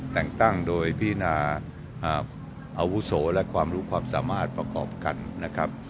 แต่งตั้งโดยพินาอาวุโสและความรู้ความสามารถประกอบกันนะครับ